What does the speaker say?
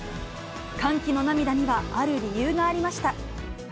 歓喜の涙にはある理由がありました。